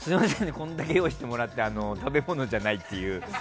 これだけ用意してもらって食べ物じゃないっていう。